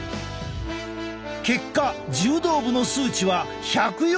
結果柔道部の数値は１４５％！